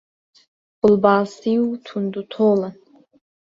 بڵباسی و توند و تۆڵن